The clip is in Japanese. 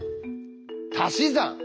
「たし算」。